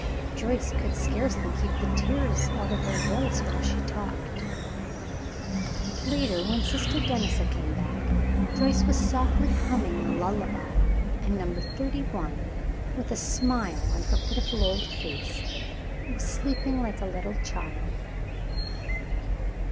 Joyce could scarcely keep the tears out of her voice while she talked. Later, when Sister Denisa came back, Joyce was softly humming a lullaby, and Number Thirty one, with a smile on her pitiful old face, was sleeping like a little child.